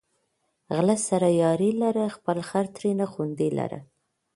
غله سره یاري لره، خپل خر ترېنه خوندي لره